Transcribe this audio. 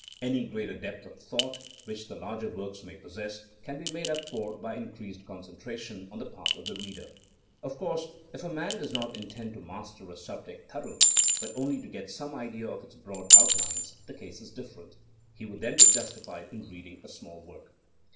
Any greater depth of thought which the larger works may possess can be made up for by increased concentration on the part of the reader. Of course if a man does not intend to master a sub ject thoroughly, but only to get some idea of its broad outlines, the case is different. He would then be justified in reading a small work.